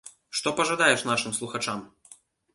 Што пажадаеш нашым слухачам?